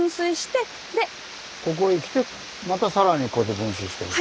ここへきてまたさらにこうやって分水してる。